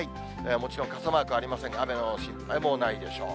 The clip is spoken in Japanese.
もちろん傘マークありません、雨の心配もないでしょう。